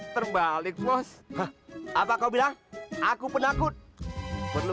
sampai jumpa di video selanjutnya